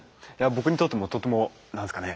僕にとってもとても何ですかね